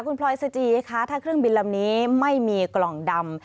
คุณพลอยสจีคะถ้าเครื่องบินลำนี้ไม่มีกล่องดำ